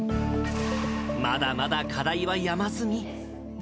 まだまだ課題は山積み。